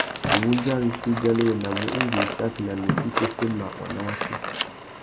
Iwundja rissú i bianéwénamú indi wissaki nà nukí i féssémamú waná waki.